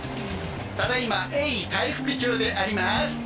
ただ今鋭意回復中であります。